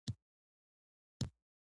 د حاصلاتو دریمه برخه اخیستله.